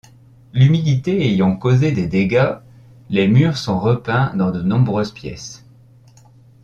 L'humidité ayant causé des dégâts, les murs sont repeints dans de nombreuses pièces.